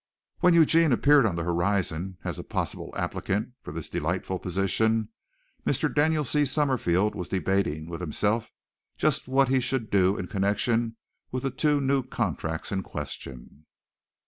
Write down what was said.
When Eugene appeared on the horizon as a possible applicant for this delightful position, Mr. Daniel C. Summerfield was debating with himself just what he should do in connection with the two new contracts in question.